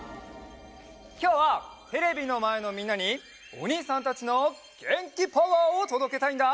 きょうはテレビのまえのみんなにおにいさんたちのげんきパワーをとどけたいんだ！